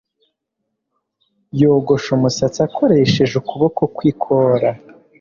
Yogosha umusatsi akoresheje ukuboko kwikora